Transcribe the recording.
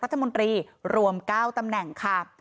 ประจำสำนักนายกรัฐมนตรีรวม๙ตำแหน่งค่ะ